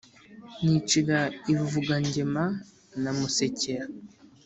Nicira i Buvugangema na Musekera,